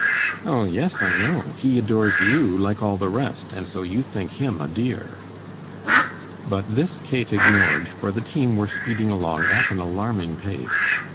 "Oh, yes, I know, he adores you like all the rest, and so you think him a dear." But this Kate ignored for the team were speeding along at an alarming pace.